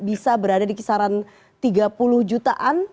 bisa berada di kisaran tiga puluh jutaan